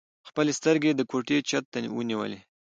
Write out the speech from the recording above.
خپلې سترګې يې د کوټې چت ته ونيولې.